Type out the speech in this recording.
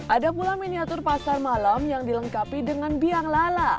ada pula miniatur pasar malam yang dilengkapi dengan biang lala